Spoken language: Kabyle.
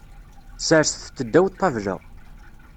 Serset-t ddaw ṭṭabla.